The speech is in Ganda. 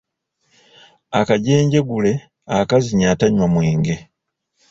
Akajenjegule akazinya atanywa mwenge.